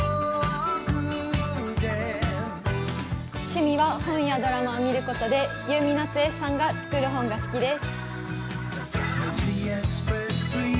趣味は本やドラマを見ることで、ユウミナツエさんが作る本が好きです。